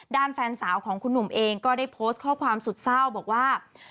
แฟนสาวของคุณหนุ่มเองก็ได้โพสต์ข้อความสุดเศร้าบอกว่า